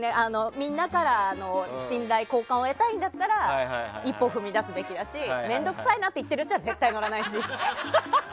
みんなから信頼好感を得たいんだったら一歩踏み出すべきだし面倒くさいなって言ってるうちは絶対載らないし。